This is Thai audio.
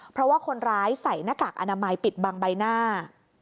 เพราะว่าคนร้ายใส่หน้ากากอนามัยปิดบังใบหน้า